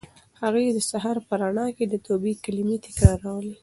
هغې د سهار په رڼا کې د توبې کلمې تکرارولې.